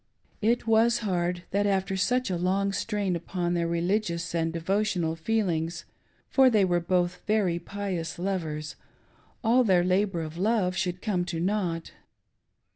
It was hard that after such a long strain upon their religious and devotional feelings — for they were both very pious lovers— all their labor of love should come to nought.